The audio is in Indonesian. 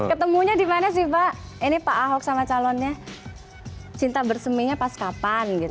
ketemunya di mana sih pak ini pak ahok sama calonnya cinta berseminya pas kapan gitu